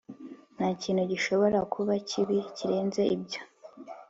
ntakintu gishobora kuba kibi kirenze ibyo